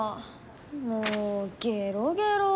もうゲロゲロ。